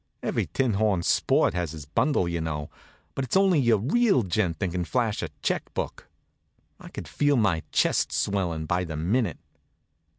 Every tinhorn sport has his bundle, you know; but it's only your real gent that can flash a check book. I could feel my chest swellin' by the minute.